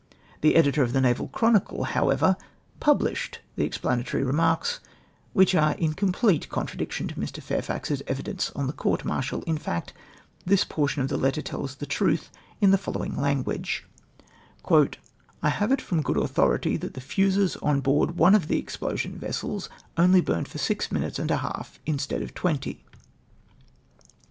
The ethtor of the Naval Chronicle, however, published the explanatory remarks, which are in complete contra diction to ]\Ii\ Fairflix's evidence on the court martial — in fact, this portion of the letter tells the truth in the foUowing language :—" I have it from good authority that the fuses on board one of the explosion vessels only burned six minutes and a half, instead of twenty.